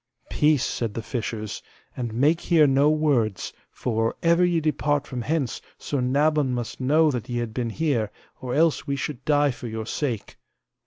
Peace, said the fishers, and make here no words, for or ever ye depart from hence Sir Nabon must know that ye have been here, or else we should die for your sake.